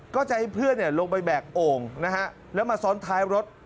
ก็จะให้เพื่อนลงไปแบกโอ่งนะฮะแล้วมาซ้อนท้ายรถ